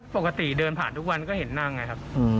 ปกติเดินผ่านทุกวันก็เห็นนั่งไงครับ